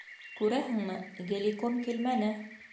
Күрәһеңме, Геликон килмәне!